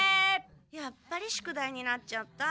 やっぱり宿題になっちゃった。